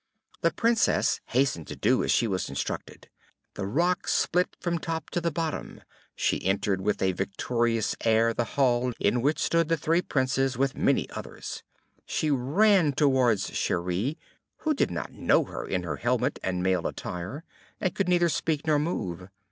The Princess hastened to do as she was instructed; the rock split from the top to the bottom: she entered with a victorious air the hall in which stood the three Princes with many others; she ran towards Cheri, who did not know her in her helmet and male attire, and could neither speak nor move.